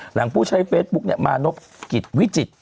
หลังพูดใช้เฟสบุ๊คเนี่ยมานกกิดวิจิต